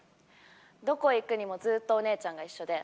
どこへ行くにもずっとお姉ちゃんが一緒で。